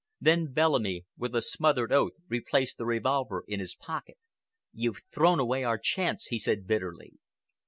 Then Bellamy, with a smothered oath, replaced the revolver in his pocket. "You've thrown away our chance," he said bitterly.